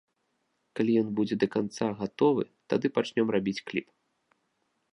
Калі ён будзе да канца гатовы, тады пачнём рабіць кліп.